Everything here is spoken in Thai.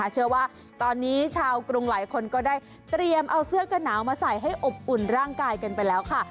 เชื่อว่าตอนนี้ชาวกรุงหลายคนก็ได้เตรียมเอาเสื้อกระหนาวมาใส่ให้อบอุ่นร่างกายกันไปแล้วค่ะ